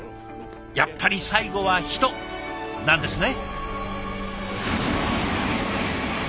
やっぱり最後は人なんですね。